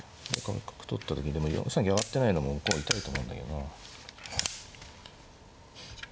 角取った時でも４三金上がってないのも向こうは痛いと思うんだけどな。